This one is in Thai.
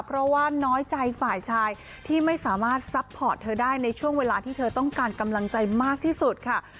เพราะว่าน้อยใจฝ่ายชายที่ไม่สามารถซัพพอร์ตเธอได้ในช่วงเวลาที่เธอต้องการกำลังใจมากที่สุดค่ะ